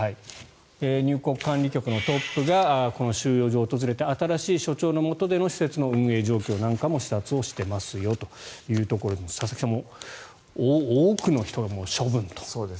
入国管理局のトップがこの収容所を訪れて新しい所長のもとでの施設の運営状況なんかも視察していますよというところで佐々木さん、多くの人が処分と。